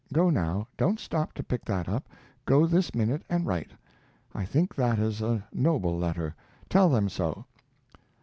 Go now; don't stop to pick that up. Go this minute and write. I think that is a noble letter. Tell them so."